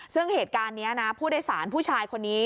ซึ่งเหตุการณ์นี้นะผู้โดยสารผู้ชายคนนี้